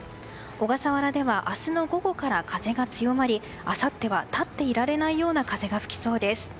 小笠原では明日の午後から風が強まりあさっては立っていられないような風が吹きそうです。